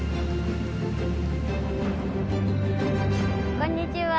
こんにちは。